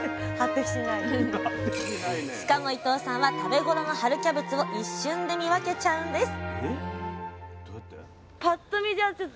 しかも伊藤さんは食べ頃の春キャベツを一瞬で見分けちゃうんです